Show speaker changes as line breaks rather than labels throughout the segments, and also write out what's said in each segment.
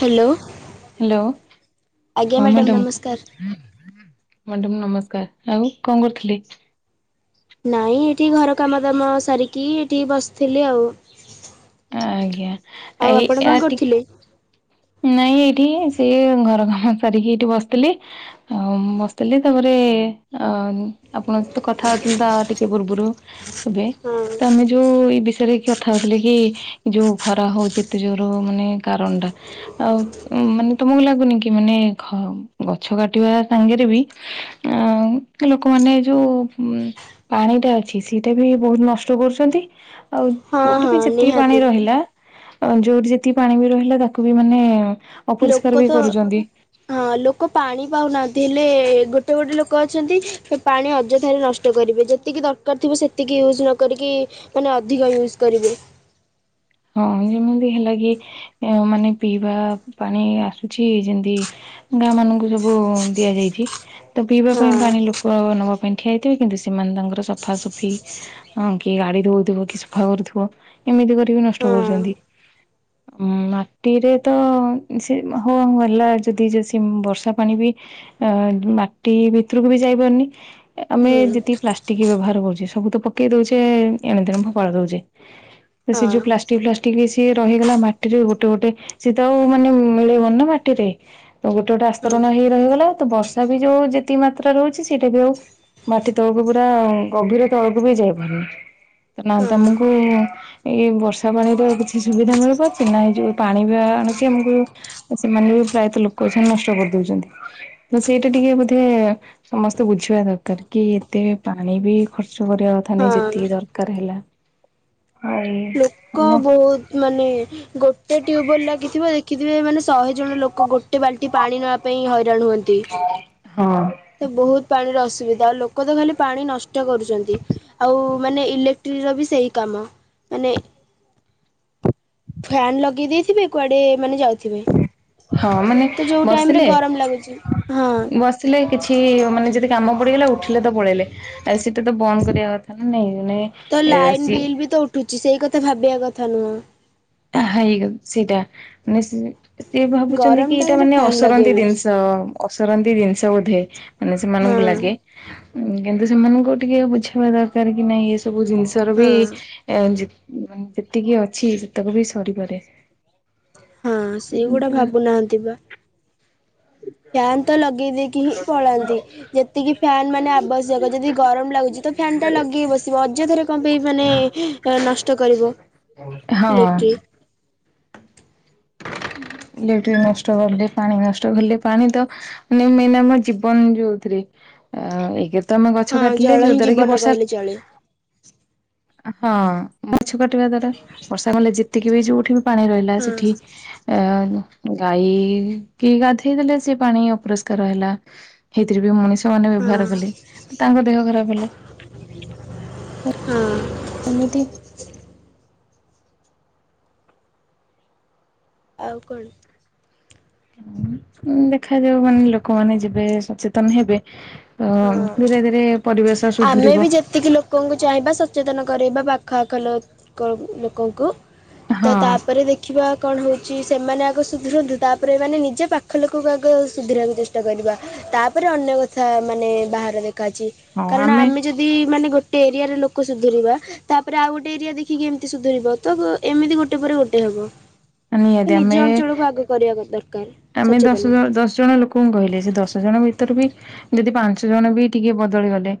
Hello
hello
ଆଜ୍ଞା
ହଁ
madam
madam.
ନମସ୍କାର।
ମାଡମ୍ ନମସ୍କାର ଆଉ କଣ କରୁଥିଲେ?
ନାଇଁ ଏଠି ଘର କାମ ଦାମ ସାରିକି ଏଠି ବସିଥିଲି ଆଉ।
ଆଜ୍ଞା
ଆଉ
ଏଇ
ଆପଣ କଣ
ଟିକେ
କରୁଥିଲେ?
ନାଇଁ ଏଇଠି ସିଏ ଘର କାମ ସାରିକି ଏଇଠି ବସିଥିଲି ଆଉ ମୁଁ ବସିଥିଲି ତାପରେ ଅ ଆପଣଙ୍କ ସହିତ କଥା ହଉଥିଲି ତ ଆଉ ଟିକେ ପୂର୍ବରୁ ଏବେ
ହଁ
ତ ଆମେ ଯୋଉ ଏଇ ବିଷୟରେ କଥା ହଉଥିଲେ କି ଯୋଉ ଖରା ହଉଚି ଏତେ ଜୋର ମାନେ କାରଣ ଟା ଆଉ ମାନେ ତମକୁ ଲାଗୁନି କି ମାନେ ଗଛ କାଟିବା ସାଙ୍ଗେ ରେ ବି ଆ ଲୋକମାନେ ଯୋଉ ପାଣିଟା ଅଛି ସେଇଟା ବି ବହୁତ ନଷ୍ଟ କରୁଛନ୍ତି ଆଉ
ହଁ
ଯୋଉଠି
ହଁ
ବି ଯେ
ନିହାତି
ଯୋଉଠି ଯେତିକି ପାଣି ବି ରହିଲା ତାକୁ ବି ମାନେ ଅପରିଷ୍କାର
ଲୋକ
ବି
ତ
କରୁଛନ୍ତି
ହଁ ଲୋକ ପାଣି ପାଉନାହାନ୍ତି ହେଲେ ଗୋଟେ ଗୋଟେ ଲୋକ ଅଛନ୍ତି ପାଣି ଅଯଥାରେ ନଷ୍ଟ କରିବେ ଯେତିକି ଦରକାର ଥିବ ସେତିକି ୟୁଜ୍ ନ କରିକି ମାନେ ଅଧିକ ୟୁଜ୍ କରିବେ।
ହଁ ଯେମିତି ହେଲା କି ମାନେ ପିଇବା ପାଣି ଆସୁଛି ଯେମତି ଗାଁ ମାନଙ୍କୁ ସବୁ ଦିଆଯାଇଛି ତ ପିଇବା
ହଁ
ପାଇଁ ପାଣି ଲୋକ ନବା ପାଇଁ ଠିଆ ହେଇଥିବେ କିନ୍ତୁ ସେମାନେ ତାଙ୍କର ସଫାସୁଫି ହଁ କିଏ ଗାଡି ଧୋଉଥିବ କିଏ ସଫା କରୁଥିବ ଏମିତି କରିକି ନଷ୍ଟ
ହଁ
କରୁଚନ୍ତି ଉଁ ମାଟିରେ ତ ସେ ହଉ ହେଲା ଯଦି ବର୍ଷା ପାଣି ବି ଅ ମାଟି ଭିତରକୁ ବି ଯାଇ ପାରୁନି ଆମେ
ହୁଁ
ଯେତିକି ପ୍ଲାଷ୍ଟିକ ବ୍ୟବହାର କରୁଚେ ସବୁ ତ ପକେଇ ଦଉଛେ ଏଣେତେଣେ ଫୋପାଡ଼ି ଦଉଛେ ତ
ହଁ
ସେ ଯୋଉ ପ୍ଲା ପ୍ଲାଷ୍ଟିକ ବି ସିଏ ରହିଗଲା ମାଟିରେ ଗୋଟେ ଗୋଟେ ସିଏ ତ ଆଉ ମାନେ ମିଲେଇବନି ନା ମାଟିରେ ତ ଗୋଟେ ଗୋଟେ
ହଁ
ଆସ୍ତରଣ ହେଇ ରହିଗଲା ତ ବର୍ଷା ବି ଯୋଉ ଯେତିକି ମାତ୍ରା ରେ ହଉଚି ସେଇଟା ବି ଆଉ ମାଟି ତଳକୁ ପୁରା ଗଭୀର ତଳକୁ ବି ଯାଇପାରୁନି ନା
ହଁ
ତମକୁ ଏଇ ବର୍ଷା [unintelligible] ପାଣିର କିଛି ସୁବିଧା ମିଳିପାରୁଛି ନା ଏଇ ଯଉ ପାଣି ବି ଆଣୁଛି ଆମକୁ ଆ ସେମାନେ ବି ପ୍ରାୟତଃ ଲୋକ ଅଛନ୍ତି ନଷ୍ଟ କରିଦଉଛନ୍ତି ତ ସେଇଟା ଟିକେ ବୋଧେ ସମସ୍ତେ ବୁଝିବା ଦରକାର କି ଏତେ ପାଣି ବି ଖର୍ଚ୍ଚ କରିବା କଥା ନାଇଁ
ହଁ।
ଯେତିକି ଦରକାର ହେଲା ଆଉ
କ
ଆମ
ବହୁତ ମାନେ ଗୋଟେ ଟ୍ୟୁବେଲ ଲାଗିଥିବ ଦେଖିଥିବେ ମାନେ ଶହେ ଜଣ ଲୋକ ଗୋଟେ ବାଲ୍ଟି ପାଣି ନବା ପାଇଁ ହଇରାଣ ହୁଅନ୍ତି।
ହଁ।
ତ ବହୁତ ପାଣିର ଅସୁବିଧା ଆଉ ଲୋକ ତ ଖାଲି ପାଣି ନଷ୍ଟ କରୁଛନ୍ତି ଆଉ ମାନେ ଇଲେ ଫାକ୍ଟ୍ରିର ବି ସେହି କାମ ମାନେ ଫ୍ୟାନ୍ ଲଗେଇ ଦେଇଥିବେ କୁଆଡ଼େ ମାନେ ଯାଉଥିବେ।
ହଁ ମାନେ
ତ ଯୋଉ ଟାଇମରେ
ବସିଲେ
ଗରମ ଲାଗୁଛି ହଁ।
ବସ ଆସିଲେ କିଛି ମାନେ ଯଦି କାମ ପଡିଗଲା ଉଠିଲେ ତ ପଳେଇଲେ। ଆ ସେଇଟା ତ ବନ୍ଦ କରିବା କଥା ନା ନାଇଁ ନେ
ତ ଲାଇନ୍ ବିଲ୍ ବି ତ ଉଠୁଚି ସେଇ କଥା ଭାବିବା କଥା ନୁହଁ।
ଆ ହାଇ ସେଇଟା ମାନେ ସେ ଭାବୁଛନ୍ତି
ଗରମ
କି ଏଇଟା
ଟାଇମରେ
ମାନେ
ଫ୍ୟାନ୍
ଅସରନ୍ତି
ଲଗେଇବେ
ଜିନି ଅସରନ୍ତି ଜିନିଷ ବୋଧେ ମାନେ
ହଁ
ସେମାନଙ୍କୁ ଲାଗେ। କିନ୍ତୁ ସେମାନଙ୍କୁ ଟିକେ ବୁଝେଇବା ଦରକାର କି ନାଇଁ ଏସବୁ ଜିନିଷର ବି
ହଁ।
ଏ ଯେତିକି ଅଛି ସେତକ ବି ସରିପାରେ।
ହଁ ସେଗୁଡା ଭାବୁନାହାନ୍ତି ବା।
ଏ [unintelligible]
ଫ୍ୟାନ୍ ତ ଲଗେଇ ଦେଇକି ହିଁ ପଳାନ୍ତି। ଯେତିକି ଫ୍ୟାନ ମାନେ ଆବଶ୍ୟକ ଯଦି ଗରମ ଲାଗୁଚି ତ ଫ୍ୟନ୍ ଟା ଲଗେଇ ବସିବ ଅଯଥାରେ କଣ ପାଇଁ ମାନେ ଏହା ନଷ୍ଟ କରିବ।
ହଁ।
ଇଲେକ୍ଟ୍ରି
ଇଲେକ୍ଟ୍ରିକ ନଷ୍ଟ କଲେ ପାଣି ନଷ୍ଟ କଲେ ପାଣି ତ ମାନେ ମେନ ଆମ ଜୀବନ ଯୋଉଥିରେ। ଏକେରେ ତ ଆମେ ଗଛ
ହଁ
କାଟିଲେ
ଜଳ
ଯୋଉ
ହିଁ
ଦ୍ଵାରା କି
ଜୀବନ
ବର୍ଷା।
କହିଲେ ଚଳେ
ହଁ ଗଛ କାଟିବା ଦ୍ଵାରା ବର୍ଷା କଲେ ଯେତିକି ବି ଯୋଉଠି ବି ପାଣି ରହିଲା
ହଁ
ସେଠି ଏ ଗାଈ କି ଗାଧେଇ ଦେଲେ ସେ ପାଣି ଅପରିଷ୍କାର ହେଲା। ହେଇଥିରେ ବି ମଣିଷ ମାନେ
ହଁ
ବ୍ୟବହାର କଲେ ତାଙ୍କ ଦେହ ଖରାପ ହେଲା।
ହଁ।
ଏମିତି
ଆଉ କଣ?
ଦେଖାଯାଉ ମାନେ ଲୋକମାନେ ଯିବେ ସଚେତନ ହେବେ। ଅ ଧୀରେ
ହଁ
ଧୀରେ ପରିବେଶ
ଆମେ
ସୁଧୁରିବ
ବି ଯେତିକି ଲୋକଙ୍କୁ ଚାହିଁବା ସଚେତନ କରେଇବା ପାଖ ଆଖ ଲ ଲୋକଙ୍କୁ। ତ
ହଁ
ତାପରେ ଦେ ଖିବା କଣ ହଉଛି ସେମାନେ ଆଗ ସୁଧରନ୍ତୁ ତାପରେ ମାନେ ନିଜ ପାଖ ଲୋକକୁ ଆଗ ସୁଧରିବାକୁ ଚେଷ୍ଟା କରିବା। ତାପରେ ଅନ୍ୟ କଥା ମାନେ ବାହାରେ ଦେଖା ଅଛି କାରଣ ଆମେ ଯଦି ମାନେ ଗୋ ଗୋଟେ ଏରିଆରେ ଲୋକ ସୁଧୁରିବା। ତାପରେ ଆଉ ଗୋଟେ ଏରିଆ ଦେଖିକି ଏମିତି ସୁଧୁରିବ ତ ଏମିତି ଗୋଟେ ପରେ ଗୋଟେ ହବ।
ନିହାତି ଆମେ
କରିବା ଦରକାର
ଆମେ ଦଶ
ସଚେତନ
ଜ ଦଶ ଜଣ ଲୋକ କଣ କହିଲେ ସେ ଦଶ ଜଣ ଭିତରୁ ବି ଯଦି ପାଞ୍ଚ ଜଣ ବି ଟିକେ ବଦଳି ଗଲେ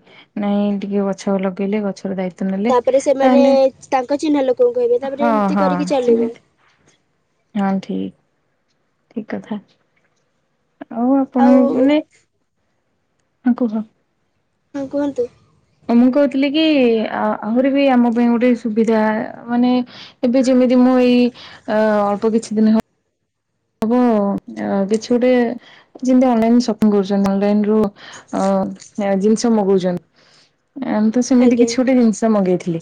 ନାଇଁ ଟିକେ ଗଛ ଲଗେଇଲେ ଗଛର ଦାୟି ତ୍ବ ନେଲେ
ତାପରେ ସେମାନେ
ତାହେଲେ
ତାଙ୍କ ଚିହ୍ନା ଲୋକଙ୍କୁ କହିବେ ତାପରେ
ହଁ
ଏମିତି
ହଁ
କରିକି ଚାଲିବ
ସେମିତି। ହଁ ଠିକ ଠିକ କଥା ଆଉ ଆପଣ ମାନେ ହଁ କୁହ।
ହଁ କୁହନ୍ତୁ।
ମୁଁ କହୁଥିଲି କି ଆ ଆହୁରି ବି ଆମ ପାଇଁ ଗୋଟେ ସୁବିଧା ମାନେ ଏବେ ଯେମିତି ମୁଁ ଏଇ ଅ ଅଳ୍ପ କିଛି ଦିନ ହ ହବ କିଛି ଗୋଟେ ଯେମତି ଅନଲାଇନ ସପିଙ୍ଗ କରୁଛନ୍ତି ଅନଲାଇନ ରୁ ଅ ଜିନିଷ ମଗଉଛନ୍ତି। ଆମେ ତ ସେମିତି
ଆଜ୍ଞା
କିଛି ଗୋଟେ ଜିନିଷ ମଗେଇଥିଲି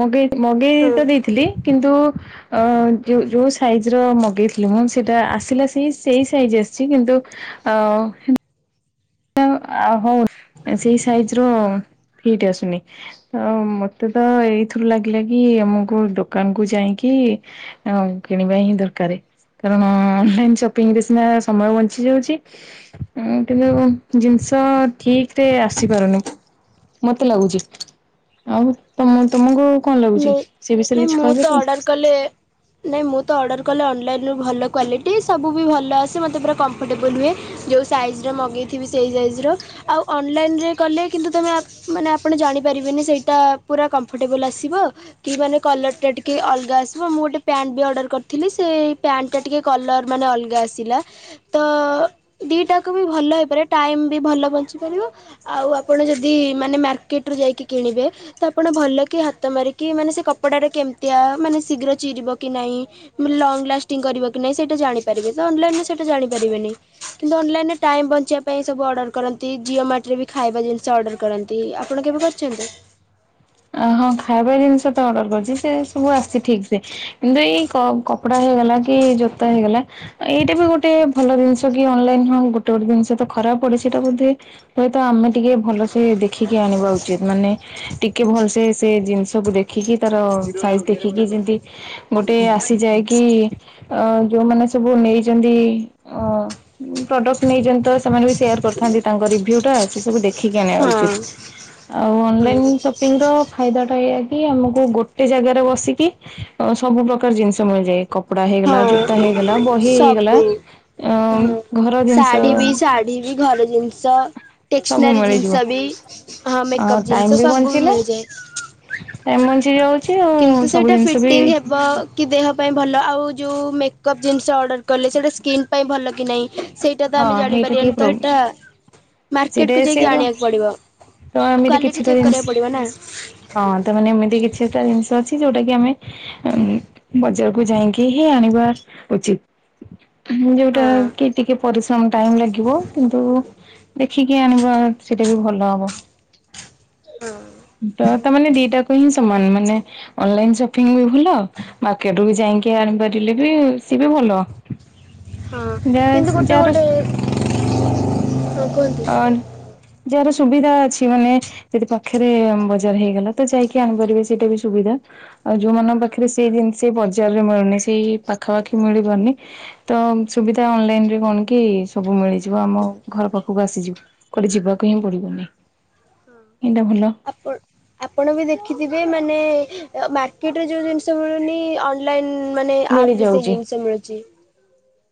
ମଗେଇ ମଗେଇ
ହଁ
ତ ଦେଇଥିଲି। କିନ୍ତୁ ଅ ଯୋଉ ସାଇଜ ର ମଗେଇ ମୁଁ ସେଟା ଆସିଲା ସେ ସେଇ ସାଇଜ ଆସିଛି କିନ୍ତୁ ଆ ହଉ ସେଇ ସାଇଜ ର ଫିଟ୍ ଆସୁନି। ତ ମତେ ତ ଏଇଥିରୁ ଲାଗିଲା କି ଆମକୁୋଉ ଦୋକାନ କୁ ଯାଇକି ହଉ କିଣିବା ହିଁ ଦରକାର। କାରଣ ଅନଲାଇନ ସପିଙ୍ଗରେ ସିନା ସମୟ ବଞ୍ଚି ଯାଉଛି କିନ୍ତୁ ଜିନିଷ ଠିକରେ ଆସିପାରୁନି ମୋତେ ଲାଗୁଛି ଆଉ ତ ତମକୁ କଣ ଲାଗୁଛି
ନାଇଁ
ସେ ବିଷୟରେ କିଛି କହିପାରିବେ
କଲେ ନହିଁ ମୁଁ ତ ଅର୍ଡ଼ର କଲେ ଅନଲାଇନ୍ ଭଲ କ୍ୱାଲିଟି ସବୁ ବି ଭଲଆସେ ମୋତେ ପୁରା କମ୍ଫର୍ଟେବୁଲ୍ ହୁଏ ଯେଉଁ ସାଇଜ୍ ମଗେଇଥିବି ସେଇ ସାଇଜ୍ ର ଆଉ ଅନଲାଇନେ କଲେ କିନ୍ତୁ ତୁମେ ମାନେ ଆପଣ ଜାଣିପାରିବେନି ସେଇଟା ପୁରା କମ୍ଫର୍ଟେବୁଲ୍ ଆସିବ ଥିବ କଲର ଟିକେ ଅଲଗା ଆସିବ ମୁଁ ଗୋଟେ ପ୍ୟାଣ୍ଟ ବି ଅର୍ଡ଼ୱେର କରିଥିଲି ସେ ଟା ଟିକେ କଲର ମାନେ ଅଲଗା ଆସିଲା ତ ଦିଟାକୁ ବି ଭଲ ହେଇପାରିବ ଟାଇମ ବି ଭଲ ବଞ୍ଚିପାରିବ ଆଉ ଆପଣ ଯଦି ମାନେ ମାର୍କେଟ ରୁ ଯାଇକି କିଣିବେ ତ ଆପଣ ଭଲ କି ତୁମରିକି ମାନେ ସେ କପଡ଼ାଟା କେମିତିଆ ମାନେ ଶୀଘ୍ର ଚିରିବ କି ନାହିଁ ଲଙ୍ଗ ଲାଷ୍ଟିଂ କରିବ କି ନହିଁ ସେଇଟା ଜାଣିପାରିବେ ତ ଅନଲାଇନରେ ସେଇଟା ଜାଣିପାରିବେନି କିନ୍ତୁ ଅନଲାଇନ ରେ ଟାଇମ ବଞ୍ଚିବା ପାଇଁ ସବୁ ଅର୍ଡର କରନ୍ତି ଜିଓ ମାଟ ରେ ବି ଖାଇବା ଜିନିଷ ଅର୍ଡର କରନ୍ତି ଆପଣ କେବେ କରିଛନ୍ତି
ଅ ହଁ ଖାଇବା ଜିନିଷ ତ ଅର୍ଡର କରିଛି ସେ ସବୁ ଆସିଛି ଠିକ ସେ କିନ୍ତୁ ଏଇ କପଡା ହେଇଗଲା କି ଜୋତା ହେଇଗଲା ଏଇଟା ବି ଗୋଟେ ଭଲ ଜିନିଷ କି ଅନଲାଇନ ହଁ ଗୋଟେ ଗୋଟେ ଜିନିଷ ତ ଖରାପ ପଡେ ସେଇଟା ବୋଧେ ହୁଏତ ଆମେ ଟିକେ ଭଲସେ ଦେଖିକି ଆଣିବା ଉଚିତ ମାନେ ଟିକଏ ଭଲସେ ସେ ଜିନିଷକୁ ଦେଖିକି ତାାର ସାଇଜ୍ ଦେଖିକି ଯେମିତି ଗୋଟେ ଆସିଯାଏ କି ଯୋଉମାନେ ସବୁ ନେଇଛନ୍ତି ପ୍ରଡ଼କ୍ଟ ନେଇଛନ୍ତି ତ ସେମାନେ ବି ସେୟାର କରିଥାନ୍ତି ତାଙ୍କ ରିଭ୍ୟୁ ଟା ସେ ସବୁ ଦେଖିକି ଆଣିବା
ହଁ
ଉଚିତ ଆଉ ଅନଲାଇନ
ହଁ
ସପିଙ୍ଗ ର ଫାଇଦା ଟା ଏଇଆ କି ଆମକୁ ଗୋଟେ ଜାଗାରେ ବସିକି ଅ ସବୁ ପ୍ରକାର ଜିନିଷ ମିଳିଯାଏ କପଡା ହେଇଗଲା ଜୋତା
ହଁ
ହେଇଗଲା ବହି ହେଇଗଲା
ସବୁ ହଁ
ଅ ଘର ଜିନିଷ
ଶାଢ଼ୀ ବି ବି ଘର ଜିନିଷ
ସବୁ
ଟେସନାରୀ
ମିଳିଯିବ
ଜିନିଷ ବି ହଁ ମେକଅପ୍ ଜିନିଷ ସବୁ ବି ମିଳିଯାଏ
ଏମଞି ଯାଉଛି ଆଉ
କିନ୍ତୁ ସେଇଟା
ସବୁ ଜିନିଷ
ଫିଟିଂ
ବି-
ହେବ କି ଦେହ ପାଇଁ ଭଲ ଆଉ ଯେଉଁ ମେକପ୍ ଜିନିଷ ଅର୍ଡ଼ର କଲେ ସେଇଟା ସ୍କିନ୍ ପାଇଁ ଭଲ କି ନାହିଁ! ସେଇଟା ତ
ହଁ
ଆମେ
ହେଇଟା ଟିକେ
ଜାଣିପାରିବାନି
ପ୍ରୋ
ତ ଏଟା
ସେଇଟା
ମାର୍କେଟକୁ ଯାଇକି
ସେର
ଆଣିବାକୁ ପଡିବ।
ତ ଏମିତି କିଛିଟା ଜିନିଷ ହଁ ତାମାନେ ଏମିତି କିଛିଟା ଜିନିଷ ଅଛି ଯୋଉଟା କି ଆମେ- ବଜାରକୁୁ ଯାଇକି ହିଁ ଆଣିବା ଉଚିତ। ଯୋଉଟା
ହଁ।
କି ଟିକେ ପରିଶ୍ରମ ଟାଇମ ଲାଗିବ କିନ୍ତୁ ଦେଖି- କି ଆଣିବା ସେଟା ବି ଭଲ ହବ
ହଁ
ଡଟ- ତା ମାନେ ଦିଟାକୁ ହିଁ ସମାନ ମାନେ ଅନଲାଇନ ସପିଙ୍ଗ ବି ଭଲ- ମାର୍କେଟରୁୁ ବି ଯାଇକି ଆଣିପାରିଲେ ବି ସିଏବି ଭଲ।
ହଁ କିନ୍ତୁ କଟେ-
ଚୋରସ [inaudible]
ହଁ କୁହନ୍ତୁ-
ଅ ଯାହାର ସୁବିଧା ଅଛି ମାନେ- ଯଦି ପାଖରେ ବଜାର ହେଇଗଲା ତ ଯାଇକି ଆଣିପାରିବେ ସେଇଟା ବି ସୁବିଧା। ଆଉ ଯୋଉମାନଙ୍କ
ହଁ।
ପାଖରେ ସେଇ ଜିନିଷ ସେ ବଜାରରେ ମିଳୁନି ସେଇ ପାଖାପାଖି ମିଳିବନି- ତ ସୁବିଧା ଅନଲାଇନ ରେ କଣ କି ସବୁ ମିଳିଯିବ ଆମ ଘର ପାଖ କୁ ଆସିଯିବ କୁଆଡେ ଯିବାକୁ ହିଁ ପଡିବନି।
ହୁଁ
ଏଇଟା ଭଲ
ଆପ ଆପଣ ବି ଦେଖିଥିବେ ମାନେ ମାର୍କେଟରେ ଯୋଉ ଜିନିଷ ମିଳୁନି ଅନ୍ ଅନ୍ଲାଇନ ମାନେ ଆପ ରେ ସେ
ମିଳିଯାଉଛି
ଜିନିଷ ମିଳୁଛି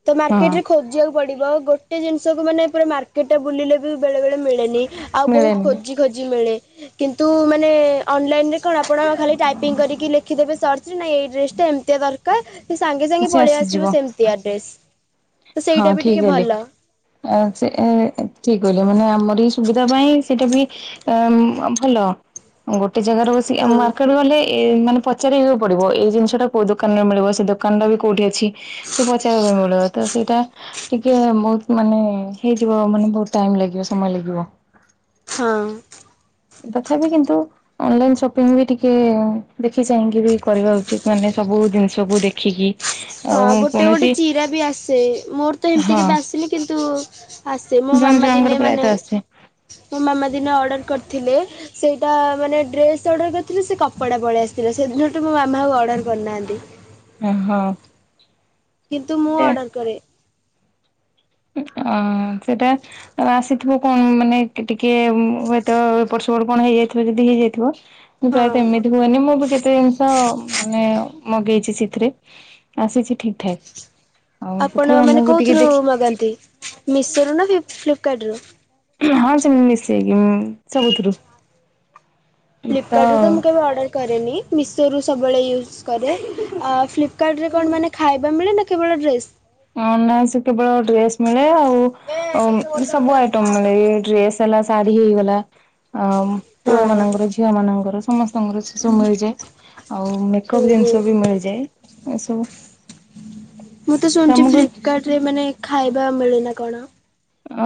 ତ
ହଁ।
ମାର୍କେଟରେ ଖୋଜିବାକୁ ପଡିବ ଗୋଟେ ଜିନିଷକୁ ମାନେ ପୁରା ମାର୍କେଟ ଟା ବୁଲିଲେ ବି ବେଳେ ବଳେ ମିଳେନି ଆଉ ବହୁ
ମିଳେନି
ଖୋଜି ଖୋଜି ମିଳେ। କିନ୍ତୁ ମାନେ ଅନ୍ଲାଇନରେ କଣ ଆପଣ ଖାଲି ଟାଇପିଙ୍ଗି କରିକି ଲେଖିଦେବେ ସର୍ଚ୍ଚରେ ନାଇଁ ଏଇଡ୍ରେସ ଟା ଏମିତିଆ ଦର କାର ସେ ସାଙ୍ଗେ ସାଙ୍ଗେ
ସେ
ପଳେଇ
ଆସିଯିବ
ଆସିବ ସେମିତିଆ। ଡ୍ରେସ୍। ତ
ହଁ
ସେଇଟା ବି ଟିକେ
ଠିକ ହେଲେ।
ଭଲ
ସେ ଏ ଠିକ କହିଲେ ମାନେ ଆମରିଏଇ ସୁବିଧା ପାଇଁ ସେଇଟା ବି ଏଁ ଭଲ ଗୋଟେ ଜାଗାରେ ବସି
ହଁ
ମାର୍କେଟ ଗଲି। ଏ ମାନେ ପଚାରିଆକୁ ପଡିବ ଏଇ ଜିନିଷ ଟା କୋଉ ଦୋକାନରେ ମିଳିବ ସେ ଦୋକାନ ଟା ବି କୋଉଠି ଅଛି। ସେ ପଚାରିବା ପାଇଁ ପଡିବ ତ ସେଇଟା ଟିକେ ବହୁତ ମାନେ ହେଇଯିବ ମାନେ ବହୁତ ଟାଇମ ଲାଗିବ ସମୟ ଲାଗିବ।
ହଁ।
ତଥାପି କିନ୍ତୁ ଅନଲାଇନ ସପିଙ୍ଗ ବି ଟିକେ ଦେଖି ଚାହିଁକି ବି କରିବା ଉଚିତ ମାନେ ସବୁ ଜିନିଷକୁୁ ଦେଖିକି। ଆଉ
ହଁ ଗୋଟେ ଗୋଟେ
କୌଣସି
ଚିରା ବି ଆସେ ମୋର ତ ହେମିତି
ହଁ
କେବେ ଆସିନି କିନ୍ତୁ ଆସେ ମୋ
ଜଣେ
ମାମା
ଜଣଙ୍କର
ଦିନେ ମାନେ
ପ୍ରାୟତଃ ଆସେ
ମୋ ମାମା ଦିନେ ଅର୍ଡ଼ର କରିଥିଲେ। ସେଇଟା ମାନେ ଡ୍ରେସ ଅର୍ଡର କରିଥିଲେ ସେ କପଡ଼ା ପଳେଇ ଆସିଥିଲା ସେଦିନଠୁ ମୋ ମାମା ଆଉ ଅର୍ଡର କରିନାହାନ୍ତି।
ଓ ହଁ।
କିନ୍ତୁ ମୁଁ ଅର୍ଡର କରେ।
ଅ ସେଟା ଆଉ ଆସିଥିବ କଣ ମାନେ ଟିକେ ହୁଏତ ଏପଟ ସେପଟ କଣ ହେଇଯାଇଥିବ ଯଦି ହେଇଯାଇଥିବ। ମୁ
ହଁ
ପ୍ରାୟତଃ ଏମିତି ହୁଏନି ମୁଁ ବି କେତେ ଜିନିଷ ମାନେ ମଗେଇଛି ସେଥିରେ ଆସିଛି ଠିକ ଠାକ୍। ଆଉ
ଆପଣ
ତଥାପି
ମାନେ
ଆମକୁ ଟିକେ
କୋଉଥିରୁ
ଦେଖି
ମଗାନ୍ତି ମିଶୋରୁୁ ନା ଫ୍ଲି ଫ୍ଲିପକାର୍ଟ ରୁ?
ହଁ ସେମିତି ମିସେଇକି ଉମ୍ ସବୁଥିରୁ।
ଫ୍ଲିପକାର୍ଟରୁ ତ ମୁଁ କେବେ ଅର୍ଡ଼ର କରେନି ମିଶୋରୁ ସବୁବେଳେ ୟୁଜ୍ କରେ, ଆ ଫ୍ଲିପକାର୍ଟରେ କଣ ମାନେ ଖାଇବା ମିଳେ ନା କେବଳ ଡ୍ରେସ୍?
ହଁ ନା ସେ କେବଳ ଡ୍ରେସ୍ ମିଳେ ଆଉ ସବୁ ଆଇଟମ ମିଳେ। ଡ୍ରେସ ହେଲା ଶାଢୀ ହେଇଗଲା ଆଉ ପୁଅ
ହଁ
ମାନଙ୍କର ଝିଅ ମାନଙ୍କର। ସମସ୍ତଙ୍କର ସେ ସବୁ ମିଳିଯାଏ ଆଉ ମେକଅପ୍
ଓହୋ
ଜିନିଷ ବି ମିଳିଯାଏ ଏସବୁ।
ମୁଁ ତ ଶୁଣୁଛି
ଆମକୁ
ଫ୍ଲିପକାର୍ଟ ରେ ମାନେ ଖାଇବା ମଳେନା କଣ?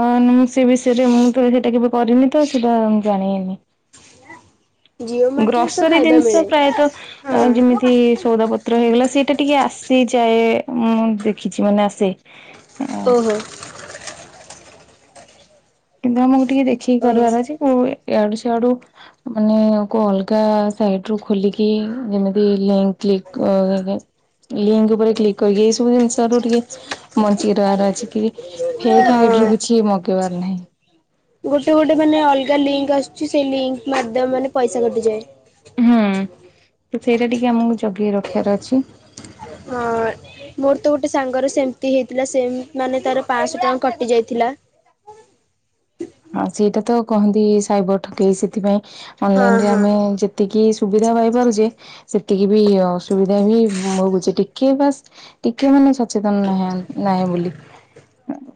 ଅ ମୁଁ ସେ ବିଷୟରେ ମୁଁ ସେଇଟା କେବେ କରିନି ତ ସେଇଟା ଜାଣିଇନି।
ଜିଓ ମାର୍ଟରେ ତ
ଗ୍ରସରୀ
ଖାଇବା
ଜିନିଷ
ମିଳେ ହଁ
ପ୍ରାୟତଃ ଯେମିତି ସଉଦା ପତ୍ର ହେଇଗଲା ସେଇଟା ଟିକେ ଆସି ଯାଏ ମୁଁ ଦେଖିଛି ମାନେ ଆସେ।
ଓହୋ।
କିନ୍ତୁ ଆମକୁ ଟିକେ ଦେଖିକି
ଓହୋ
କରିବାର ଅଛି କୋଉ ୟା ଡୁ ସିଆଡୁ ମାନେ କୋଉ ଅଲଗା ସାଇଟ ରୁ ଖୋଲିକି ଯେମିତି ଲିକ୍ କ୍ଲିକ କରେ। ଲିଙ୍କ ଉପରେ କ୍ଲିକ କରିକି ଏଇସବୁ ଜିନିସରୁଟିକେ ବଞ୍ଚିକି ରହିବାର ଅଛି କି ଫେକ ଆଇଡି ରୁ
ହଁ।
କିଛି ମଗେଇବାର ନାହିଁ।
ଗୋଟେ ଗୋଟେ ମାନେ ଅଲଗା ଲିଙ୍କ୍ ଆସୁଛି ସେଇ ଲିଙ୍କ ମାରି ଦବମାନେ ପଇସା କଟିଯାଏ।
ହୁଁ ସେଇଟା ଟିକେ ଆମକୁ ଜଗି ରଖିବାର ଅଛି।
ହଁ। ମୋର ତ ଗୋଟେ ସାଙ୍ଗର ସେମିତି ହେଇଥିଲା ସେମ୍ ମାନେ ତାର ପାଆଶହ ଟଙ୍କା କଟି ଯାଇଥିଲା।
ହଁ ସେଇଟା ତ କହନ୍ତି ସାଇବର ଠକେଇ ସେଥିପାଇଁ
ହଁ
ଅନଲାଇନ ରେ
ହଁ
ଆମେ ଯେ ଜେତିକି ସୁବିଧା ପାଇପାରୁଛେ ସେତିକି ବି ଅସୁବିଧା ବି ଭୋଗୁଛି ଟିକେ ବାସ୍ ଟିକେ ମାନେ ସଚେତନ ନାହିଁ ନାଇଁ ବୋଲି।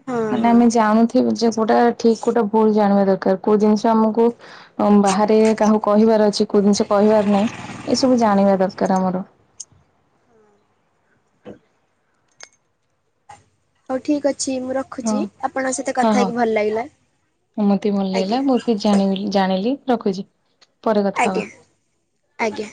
ହଁ
ମାନେ
ହଁ।
ଆମେ ଜାଣୁଥିବୁ ଯେ କୋଉଟା ଠିକ୍ କୋଉଟା ଭୁଲ ଜାଣିବା ଦରକାର କୋଉ ଜିନିଷ ଆମକୁ ବାହାରେ କାହାକୁ କହିବାର ଅଛି କୋଉ ଜିନିଷ କହିବାର ନାହିଁ ଏସବୁ ଜାଣିବା ଦରକାର ଆମର।
ହଉ ଠିକ ଅଛି ମୁଁ
ହଁ
ରଖୁଛି ଆପଣଙ୍କ ସହିତ
ହଁ
କଥା ହେଇକି
ହଁ
ଭଲ ଲାଗିଲା ଆଜ୍ଞା।
ଜଣେ ବୋଲି ଜାଣିଲି ରଖୁଛି। ପରେ କଥା ହବା।
ଆଜ୍ଞା ଆଜ୍ଞା।